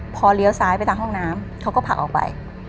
พอเลี้ยวซ้ายไปทางห้องน้ำเขาก็ผลักออกไป